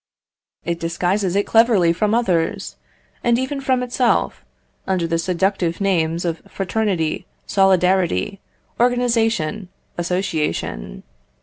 It disguises it cleverly from others, and even from itself, under the seductive names of fraternity, solidarity, organisation, association.